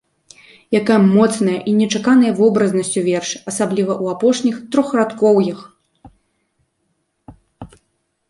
Якая моцная і нечаканая вобразнасць у вершы, асабліва ў апошніх трохрадкоўях!